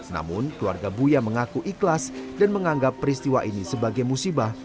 namun keluarga buya mengaku ikhlas dan menganggap peristiwa ini sebagai musibah